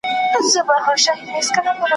وئېل ئې دغه ټول علامتونه د باران دي ,